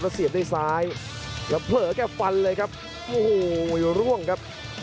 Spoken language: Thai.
แล้วเสียบด้วยซ้ายแล้วเผลอแกฟันเลยครับโอ้โหร่วงครับ